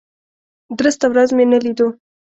درسته ورځ مې نه لیدو.